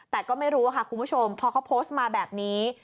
แต่ก็ไม่รู้ค่ะคุณผู้ชมพอเขาโพสต์มาแบบนี้